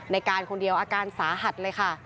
ในการคนเดียวอาการสาหัสเลยค่ะ